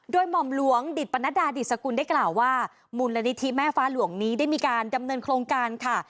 โดยหม่อมหลวงดิตปนัดดาดิสกุลได้กล่าวว่ามูลนิธิแม่ฟ้าหลวงนี้ได้มีการดำเนินโครงการค่ะ